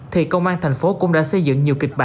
thì công an thành phố cũng đã xây dựng nhiều kịch bản